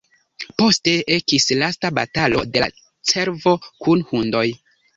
Poste ekis lasta batalo de la cervo kun hundoj.